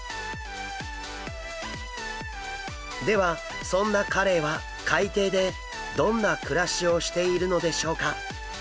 ではそんなカレイは海底でどんな暮らしをしているのでしょうか？